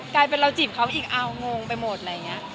กลายเป็นเราจีบเขาอีกเอางงไปหมดอะไรอย่างนี้